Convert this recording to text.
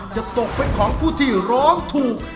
จะตกเป็นของผู้ที่ร้องถูก